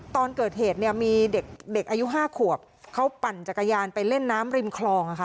ตอนเกิดเหตุเนี่ยมีเด็กอายุ๕ขวบเขาปั่นจักรยานไปเล่นน้ำริมคลองอะค่ะ